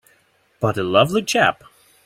But a lovely chap!